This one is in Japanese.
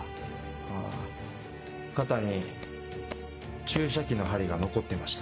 あ肩に注射器の針が残ってました。